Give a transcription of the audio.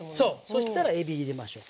そしたらえび入れましょう。